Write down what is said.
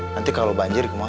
nanti kalau banjir kemah